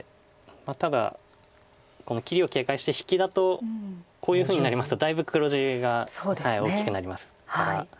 ただこの切りを警戒して引きだとこういうふうになりますとだいぶ黒地が大きくなりますから。